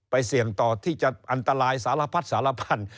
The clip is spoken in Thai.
เสี่ยงต่อที่จะอันตรายสารพัดสารพันธุ์